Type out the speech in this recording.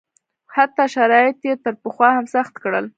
حتی شرایط یې تر پخوا هم سخت کړل.